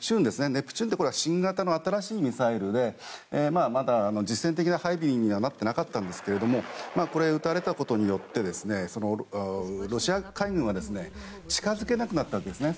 ネプチューンは新型の新しいミサイルでまだ実戦的な配備にはなってなかったんですがこれを撃たれたことによってロシア海軍は近づけなくなったんですね。